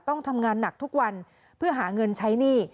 ต้องทำงานหนักทุกวันเพื่อหาเงินใช้หนี้